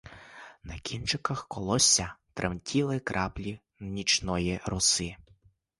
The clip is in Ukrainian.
На кінчиках колосся тремтіли краплі нічної роси.